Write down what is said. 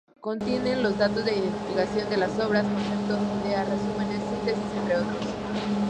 Contienen datos de identificación de las obras, conceptos, ideas, resúmenes, síntesis, entre otros.